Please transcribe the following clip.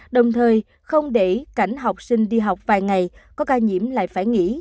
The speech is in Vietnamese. đồng thời không để cảnh học sinh đi học vài ngày có ca nhiễm lại phải nghỉ